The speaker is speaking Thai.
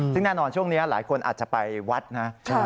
ซึ่งแน่นอนช่วงนี้หลายคนอาจจะไปวัดนะ